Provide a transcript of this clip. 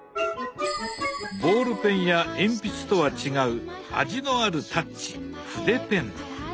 ボールペンや鉛筆とは違う味のあるタッチ筆ペン。